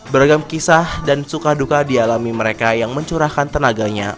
beragam kisah dan suka duka dialami mereka yang mencurahkan tenaganya